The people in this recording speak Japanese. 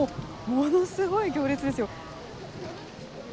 ものすごい行列ですよ。